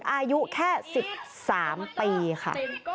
อายุแค่๑๓ปีค่ะ